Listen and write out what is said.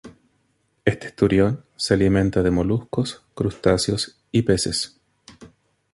Este esturión se alimenta de moluscos, crustáceos y peces.